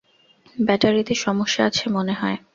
ব্যাটারিতে সমস্যা আছে মনে হয়।